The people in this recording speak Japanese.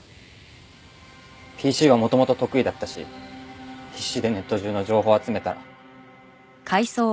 ＰＣは元々得意だったし必死でネット中の情報を集めたら。